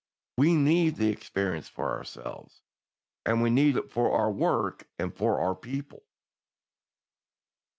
We need the experience for ourselves, and we need it for our work and for our people.